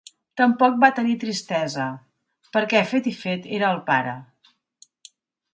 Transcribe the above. Tampoc va tenir tristesa, perquè fet i fet era el pare.